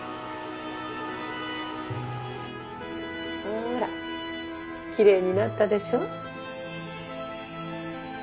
ほうらきれいになったでしょ